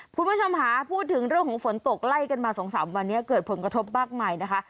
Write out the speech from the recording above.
คุณผู้ชมค่ะพูดถึงเรื่องของฝนตกไล่กันมา๒๓วันนี้เกิดผลกระทบมากมายนะคะ